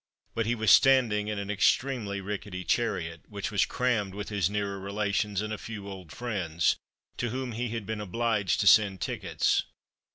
But he was standing in an extremely rickety chariot, which was crammed with his nearer relations, and a few old friends, to whom he had been obliged to send tickets.